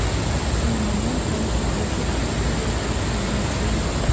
ცერემონია მთელ მსოფლიოში პირდაპირი ეთერით გადაიცემა.